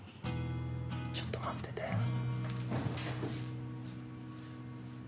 ちょっと待ってて。